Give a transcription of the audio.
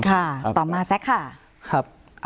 ค่ะต่อมาแซ็คค่ะ